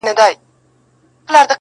د وخت له کانه به را باسمه غمی د الماس ,